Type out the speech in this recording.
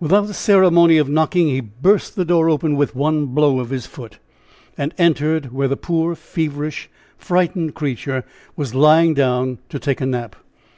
Without the ceremony of knocking, he burst the door open with one blow of his foot, and entered where the poor, feverish, frightened creature was lying down to take a nap.